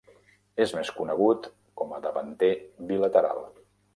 És més conegut com a davanter bilateral.